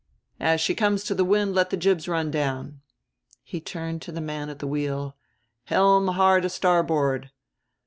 As she comes to the wind let the jibs run down." He turned to the man at the wheel, "Helm hard a starboard."